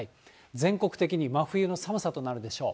全国的に真冬の寒さとなるでしょう。